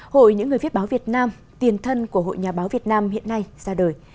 hội những người viết báo việt nam tiền thân của hội nhà báo việt nam hiện nay ra đời